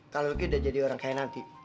kalau lucky udah jadi orang kayak nanti